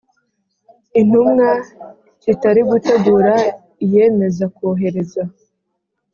intumwa kitari gutegura iyemeza kohereza